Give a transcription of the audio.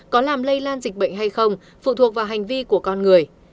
có làm lây lan dịch bệnh hay không phụ thuộc vào hành vi của con người